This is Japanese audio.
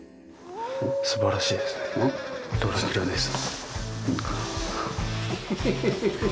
すばらしいですねドラキュラです。